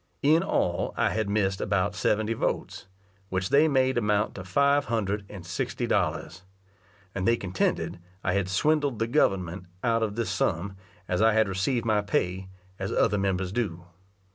In all I had missed about seventy votes, which they made amount to five hundred and sixty dollars; and they contended I had swindled the government out of this sum, as I had received my pay, as other members do.